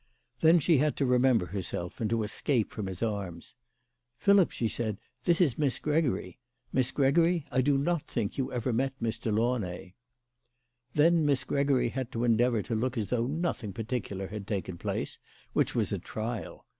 Then she had to remember herself, and to escape from his arms. " Philip," she said, " this is Miss Gregory. Miss Gregory, I do not think you ever met Mr. Launay." Then Miss Gregory had to endeavour to look as though nothing particular had taken place, which was a trial.